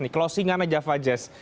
closing annya java jazz